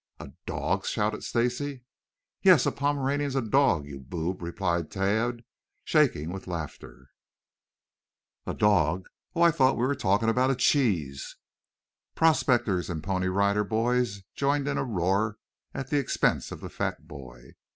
"A dog?" shouted Stacy. "Yes, a Pomeranian's a dog, you boob," replied Tad, shaking with laughter. "A dog? Oh, I thought you were talking about a cheese." Prospectors and Pony Rider Boys joined in a roar at the expense of the fat boy.